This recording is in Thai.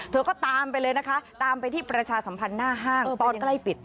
เธอก็ตามไปเลยนะคะตามไปที่ประชาสัมพันธ์หน้าห้างตอนใกล้ปิด